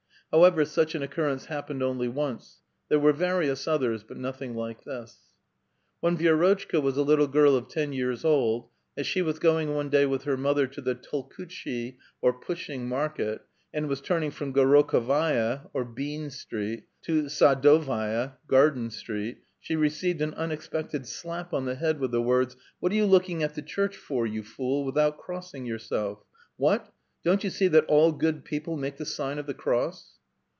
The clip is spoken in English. However, such an occurrence happened only once ; there were various othei*s, but nothing like this. When Vi^rotchka was, a little girl of ten years old, as she was going one day with her mother to the Tolkutchy (Pushing) Market, and was turning from Gorokhovaia (Bean) Street to Sadovaia (Garden) Street, she received an unexpected slap on the head, with the words :" What are you looking at the church for, you fool, without crossing yourself? What ! don't you see that all good people make the sign of the cross